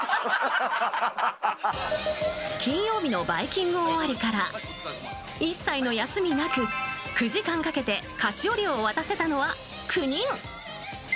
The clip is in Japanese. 金曜日の「バイキング」終わりから一切の休みなく、９時間かけて菓子折りを渡せたのは９人。